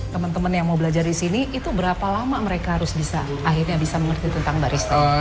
temen temen yang mau belajar disini itu berapa lama mereka harus bisa akhirnya bisa mengerti tentang barista